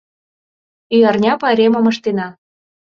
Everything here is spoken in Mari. Ӱярня пайремым ыштена.